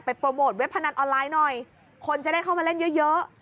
โปรโมทเว็บพนันออนไลน์หน่อยคนจะได้เข้ามาเล่นเยอะเยอะ